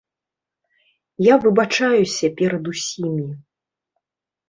Я выбачаюся перад усімі.